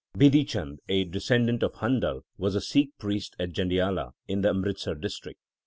Bidhi Chand, a descendant of Handal, was a Sikh priest at Jandiala, in the Amritsar district.